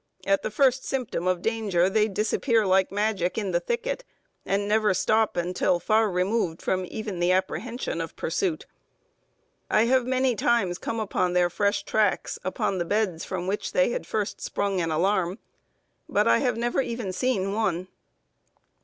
At the first symptom of danger they disappear like magic in the thicket, and never stop until far removed from even the apprehension of pursuit. I have many times come upon their fresh tracks, upon the beds from which they had first sprung in alarm, but I have never even seen one.